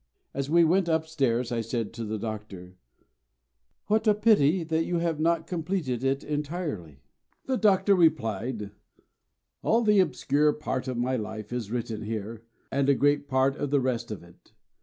As we went upstairs I said to the Doctor, "What a pity that you have not completed it entirely." The Doctor replied, "All the obscure part of my life is written here, and a great part of the rest of it.